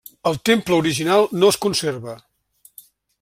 El temple original no es conserva.